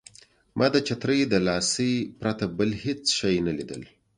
ما د چترۍ د لاسۍ پرته بل هېڅ شی نه لیدل.